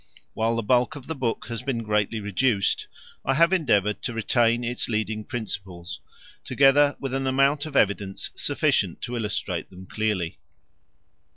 While the bulk of the book has been greatly reduced, I have endeavoured to retain its leading principles, together with an amount of evidence sufficient to illustrate them clearly.